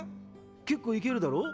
結構いけるだろ？